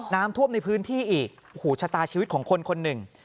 น้ำท่วมในพื้นที่อีกโอ้โหชะตาชีวิตของคนคนหนึ่ง